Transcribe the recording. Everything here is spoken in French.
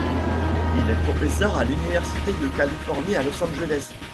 Il est professeur à l'université de Californie à Los Angeles.